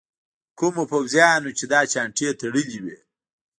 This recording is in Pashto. کوم پوځیان چې دا چانټې تړلي وو.